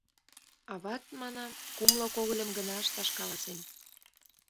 — Ават, манам, кумло когыльым гына ышташ каласен.